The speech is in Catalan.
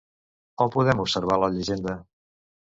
On podem observar la llegenda?